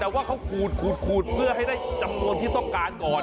แต่ว่าเขาขูดเพื่อให้ได้จำนวนที่ต้องการก่อน